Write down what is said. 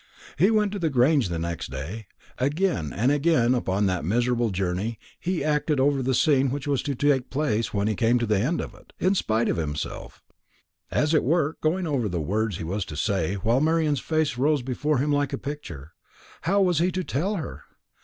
He went back to the Grange next day. Again and again upon that miserable journey he acted over the scene which was to take place when he came to the end of it in spite of himself, as it were going over the words he was to say, while Marian's face rose before him like a picture. How was he to tell her?